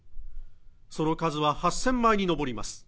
その数は８０００枚に上ります